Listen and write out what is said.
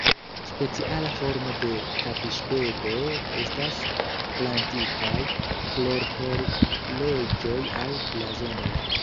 Speciala formo de tapiŝbedo estas plantitaj florhorloĝoj aŭ blazonoj.